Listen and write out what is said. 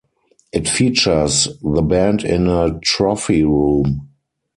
It features the band in a trophy room.